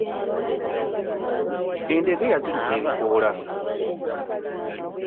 Endegeya ziruka ebikoola.